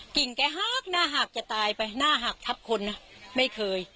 กิ่งคล้ายหน้าหักจะตายไปหน้าหักทับคนไม่เคย